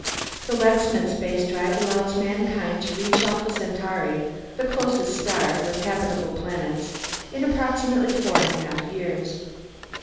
The Lexman Spacedrive allows mankind to reach Alpha Centauri, the closest star with habitable planets, in approximately four and a half years.